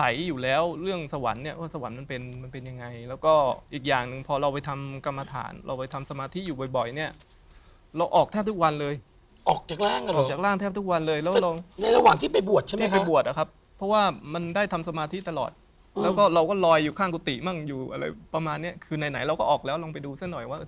คือด้วยสภาพปกติเราทำสมาธิขอนอนประจำ